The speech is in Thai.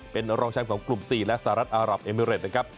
เป็นรองแชมป์ของกลุ่ม๔และสหรัฐอารับเอมิเรตนะครับ